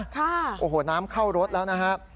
ค่ะโอ้โหน้ำเข้ารถแล้วนะฮะ